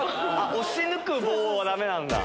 押しぬく棒はダメなんだ。